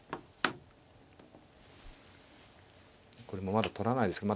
これもまだ取らないですけど